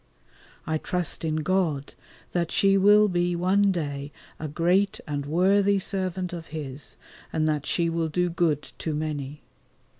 I trust in God that she will be one day a great and worthy servant of His and that she will do good to many.